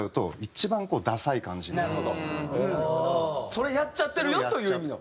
それやっちゃってるよという意味の。